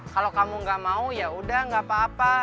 kalau kamu enggak mau yaudah enggak apa apa